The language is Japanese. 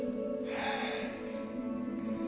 はあ。